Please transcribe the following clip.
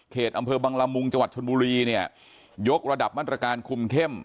อำเภอบังละมุงจังหวัดชนบุรีเนี่ยยกระดับมาตรการคุมเข้ม